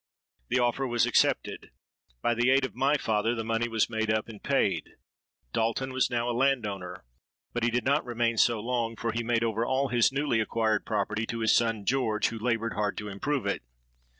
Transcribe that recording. The offer was accepted: by the aid of my father the money was made up and paid. Dalton was now a landowner; but he did not remain so long—for he made over all his newly acquired property to his son George, who laboured hard to improve it.